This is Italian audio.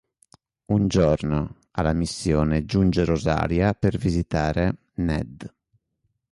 Un giorno, alla missione giunge Rosaria per visitare Ned.